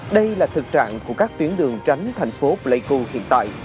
đây là thực trạng của các tuyến đường tránh thành phố pleiku hiện tại